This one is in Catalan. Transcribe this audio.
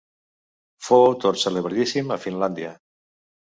Fou autor celebradíssim a Finlàndia.